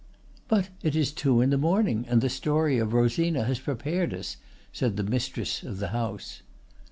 '" "But it is two in the morning, and the story of Rosina has prepared us," said the mistress of the house.